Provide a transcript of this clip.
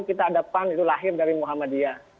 kita ada pan itu lahir dari muhammadiyah